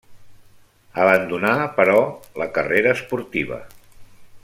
Abandonà, però, la carrera esportiva.